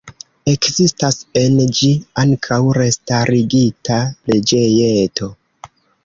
Ekzistas en ĝi ankaŭ restarigita preĝejeto.